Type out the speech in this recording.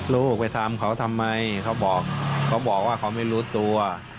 ลูกไปถามเขาทำไมเขาบอกว่าเขาไม่รู้ตัว